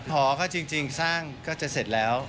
หอก็จริงสร้างก็จะเสร็จแล้ว